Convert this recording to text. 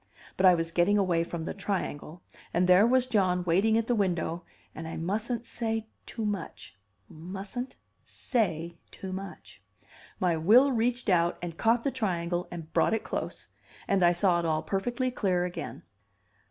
But I was getting away from the triangle, and there was John waiting at the window, and I mustn't say too much, mustn't say too much. My will reached out and caught the triangle and brought it close, and I saw it all perfectly clear again.